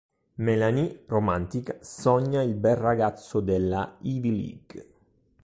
Melanie, romantica, sogna il bel ragazzo della Ivy League.